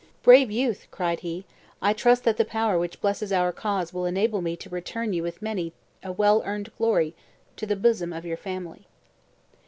"Brave youth," cried he, "I trust that the power which blesses our cause will enable me to return you with many a well earned glory, to the bosom of your family!"